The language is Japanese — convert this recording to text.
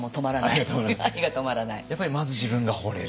やっぱりまず自分がほれると。